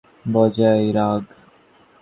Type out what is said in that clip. বাকি জায়গাগুলোতে পূর্ণ সতর্কতা বজায় রাখ।